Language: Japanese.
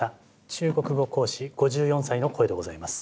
中国語講師５４歳の声でございます。